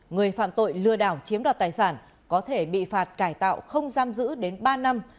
người phạm tội lừa đảo chiếm đoạt tài sản có thể bị phạt cải tạo không giam giữ đến ba năm